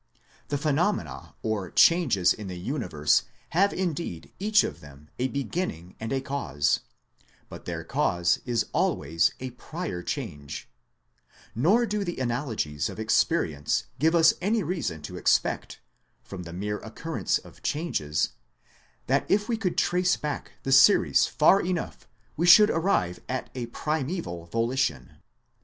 The phenomena or changes in the universe have indeed each of them a beginning and a cause, but their cause is always a prior change ; nor do the analogies of experience give us any reason to expect, from the mere occurrence of changes, that if we could trace back the series far enough we should arrive at a Primaeval Volition.